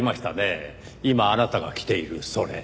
今あなたが着ているそれ。